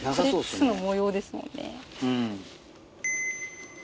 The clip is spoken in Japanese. これ巣の模様ですもんね。